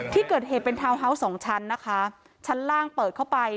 ที่เกิดเหตุเป็นทาวน์ฮาวส์สองชั้นนะคะชั้นล่างเปิดเข้าไป